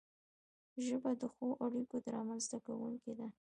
ژبه د ښو اړیکو رامنځته کونکی ده